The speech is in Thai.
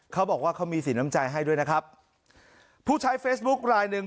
เขาบอกว่าเขามีสีน้ำใจให้ด้วยนะครับผู้ใช้เฟซบุ๊คลายหนึ่ง